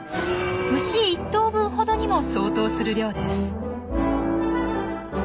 牛１頭分ほどにも相当する量です。